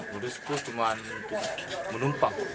modusku cuma untuk menumpang